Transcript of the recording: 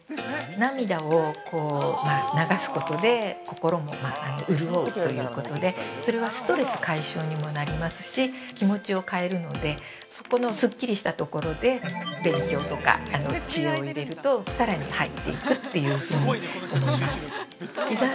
涙を流すことで、心も潤うということで、それは、ストレス解消にもなりますし、気持ちを変えるので、そこのすっきりしたところで、勉強とか知恵を入れると、更に入っていくっていうふうに思います。